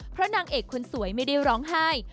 เพราะนางเอกคนสวยไม่ได้ร้องไห้